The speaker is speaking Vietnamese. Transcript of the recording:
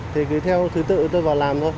thì cứ theo thứ tự tôi vào làm thôi